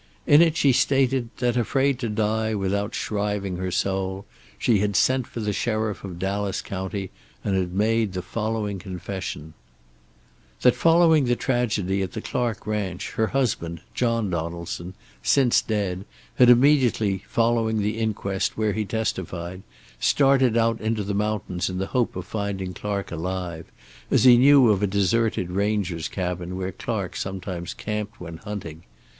In it she stated that, afraid to die without shriving her soul, she had sent for the sheriff of Dallas County and had made the following confession: That following the tragedy at the Clark ranch her husband, John Donaldson, since dead, had immediately following the inquest, where he testified, started out into the mountains in the hope of finding Clark alive, as he knew of a deserted ranger's cabin where Clark sometimes camped when hunting.